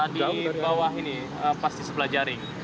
di bawah ini pasti sebelah jaring